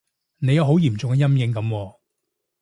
你有好嚴重嘅陰影噉喎